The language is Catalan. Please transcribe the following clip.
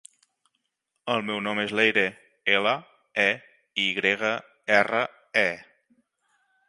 El meu nom és Leyre: ela, e, i grega, erra, e.